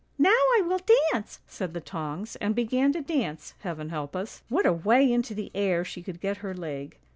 "' Now I will dance,' said the tongs, and began to dance; heaven help us, what a way into the air she could get her leg.